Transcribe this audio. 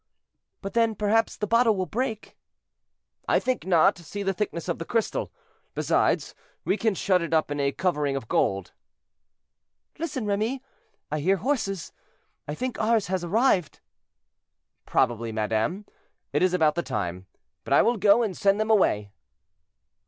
"But then, perhaps, the bottle will break?" "I think not—see the thickness of the crystal; besides, we can shut it up in a covering of gold." "Listen, Remy! I hear horses; I think ours have arrived." "Probably, madame, it is about the time; but I will go and send them away."